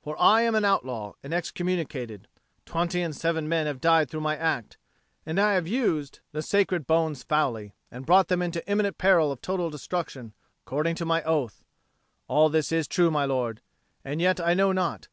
For I am an outlaw, and excommunicated. Twenty and seven men have died through my act, and I have used the sacred bones foully, and brought them into imminent peril of total destruction, according to my oath. All this is true, my lord. And yet I know not.